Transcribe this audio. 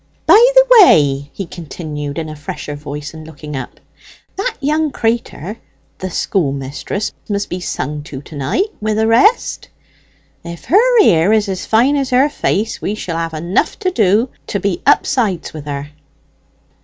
"By the way," he continued in a fresher voice, and looking up, "that young crater, the schoolmis'ess, must be sung to to night wi' the rest? If her ear is as fine as her face, we shall have enough to do to be up sides with her."